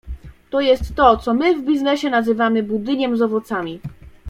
To jest to, co my w biznesie nazywamy budyniem z owocami.